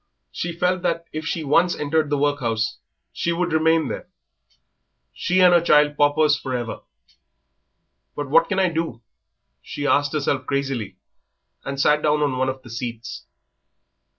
She felt that if she once entered the workhouse she would remain there. She and her child paupers for ever. "But what can I do?" she asked herself crazily, and sat down on one of the seats.